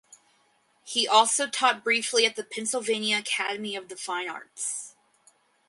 He also taught briefly at the Pennsylvania Academy of the Fine Arts.